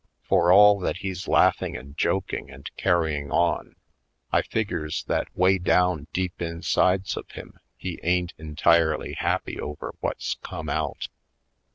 For all that he's laughing and joking and carrying on, I figures that way down deep insides of him he ain't entirely happy over what's come out.